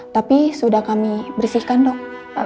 tapi sudah kami bersihkan dok